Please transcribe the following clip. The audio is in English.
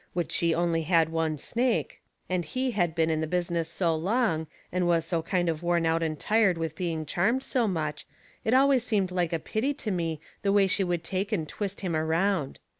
Which she only had one snake, and he had been in the business so long, and was so kind of worn out and tired with being charmed so much, it always seemed like a pity to me the way she would take and twist him around.